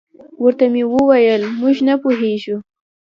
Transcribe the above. ورته مې وویل: موږ نه پوهېږو.